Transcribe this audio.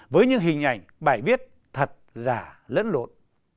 với những hình ảnh bài viết thật giả lẫn lộn